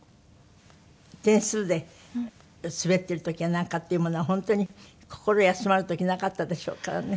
点数で滑っている時はなんかっていうものは本当に心休まる時なかったでしょうからね。